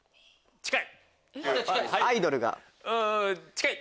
近い！